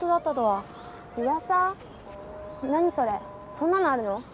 そんなのあるの？